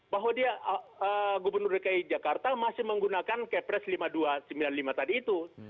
bahwa dia gubernur dki jakarta masih menggunakan kepres lima ribu dua ratus sembilan puluh lima tadi itu